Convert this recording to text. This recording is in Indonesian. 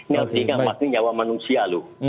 yang ketiga maksudnya nyawa manusia